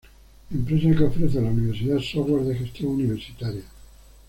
Empresa que ofrece a la Universidad software de gestión universitaria.